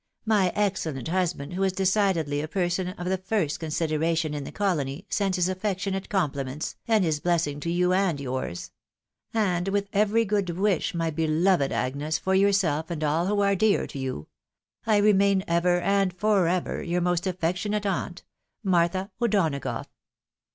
My excellent husband, who is decidedly a person of the first consideration iu the colony, sends his affectionate comphments, and his blessing to you and yours. And with every good wish, my beloved Agnes, for yourself and all who are dear to you, " I remain, ever and for ever, " Your most affectionate aunt, " Martha O'Donagotjgh."